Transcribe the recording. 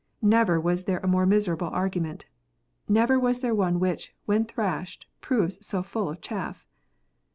Never was there a more miserable argument ! Never was there one which, when thrashed, proves so full of chaff